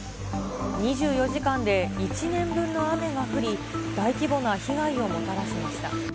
２４時間で１年分の雨が降り、大規模な被害をもたらしました。